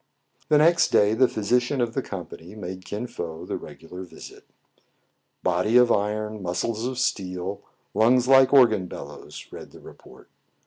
The next day the physician of the company made Kin Fo the regular visit. " Body of iron, muscles of steel, lungs like organ bellows," read the report.